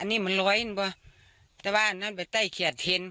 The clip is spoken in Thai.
อันนี้มันร้อยนะพ่อแต่ว่าอันนั้นไปไกลครียดเห็นเห็น